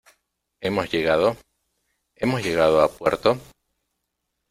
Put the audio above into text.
¿ hemos llegado? ¿ hemos llegado a puerto ?